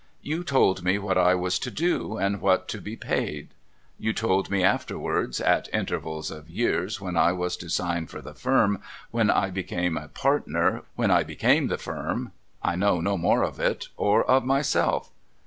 You told me what I was to do, and what to be paid; you told me afterwards, at intervals of years, when I was to sign for the Firm, when I became a j^artner, when I became the Firm. I know no more of it, or of myself.'